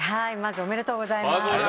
ありがとうございます。